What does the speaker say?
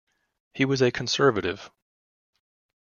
He was a Conservative.